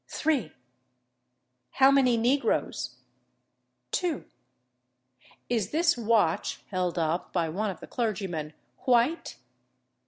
"Three." "How many negroes?" "Two." "Is this watch (held up by one of the clergymen) white?"